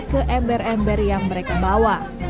ke ember ember yang mereka bawa